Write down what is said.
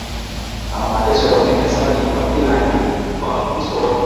kama mateso ya unyanyasaji wa kila aina kwa wakristo wote